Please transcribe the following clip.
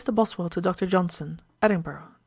BOSWELL TO DR. JOHNSON. 'Edinburgh, Dec.